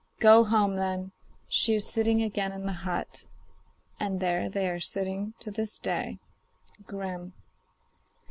'Go home, then; she is sitting again in the hut.' And there they are sitting to this day. Grimm.